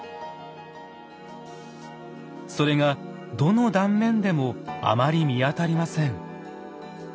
それがどの断面でもあまり見当たりません。